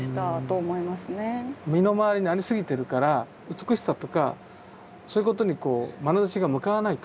身の回りにありすぎてるから美しさとかそういうことにこうまなざしが向かわないと。